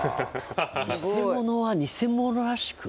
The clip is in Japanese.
偽者は偽者らしく。